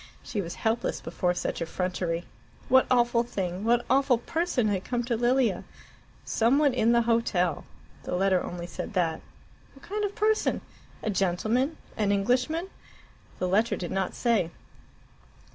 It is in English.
She was helpless before such effrontery. What awful thing what awful person had come to Lilia? "Some one in the hotel." The letter only said that. What kind of person? A gentleman? An Englishman? The letter did not say.